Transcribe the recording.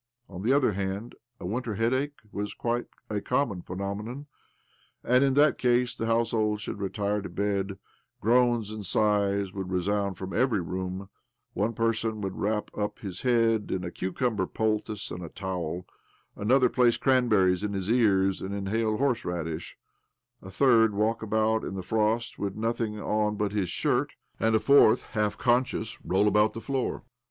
On the other hand, a winter headache ' was quite a common phenomenon, and in that case the household would retire to bed, groans ' Due to the fumes of the charcoal used f6r heating purposes. I40 OBLOMOV aлd sighs would resound from every room, one person would wrap up his head in a cucumber poultice and a towel, another place cranberries in his ears and inhale horse radish, a third walk about in the frost with nothing" on but his shirt, and a fourth, half conscious, roll about the floor.